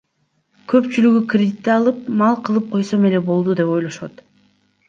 Көпчүлүгү кредитти алып, мал кылып койсом эле болду деп ойлошот.